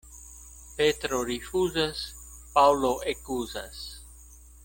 Petro rifuzas, Paŭlo ekuzas.